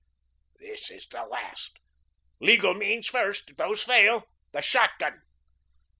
"This is the last. Legal means first; if those fail the shotgun."